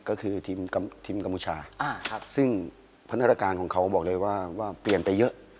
ก็คือทีมกัมพูชาซึ่งพัฒนาการของเขาบอกเลยว่าเปลี่ยนไปเยอะ